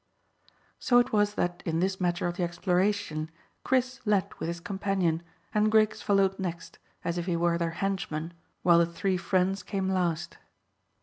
So it was that in this matter of the exploration Chris led with his companion, and Griggs followed next, as if he were their henchman, while the three friends came last.